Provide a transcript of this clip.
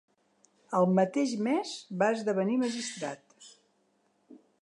El mateix mes va esdevenir magistrat.